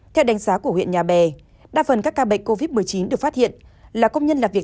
theo đánh giá của huyện nhà bè đa phần các ca bệnh covid một mươi chín được phát hiện là công nhân là việc